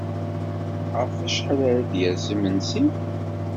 Ɣef wacḥal ara d-yers yimensi?